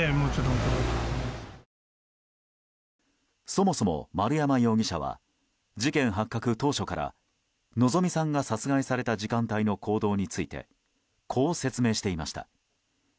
そもそも丸山容疑者は事件発覚当初から希美さんが殺害された時間帯の行動についてこう説明していました。